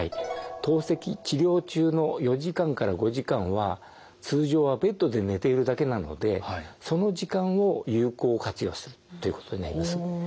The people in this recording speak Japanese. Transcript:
透析治療中の４時間から５時間は通常はベッドで寝ているだけなのでその時間を有効活用するということになります。